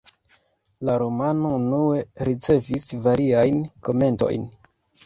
La romano unue ricevis variajn komentojn.